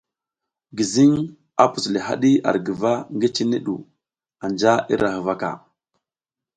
Gizing a a pus le hadi ar guva ngi, cine du anja ira huvaka.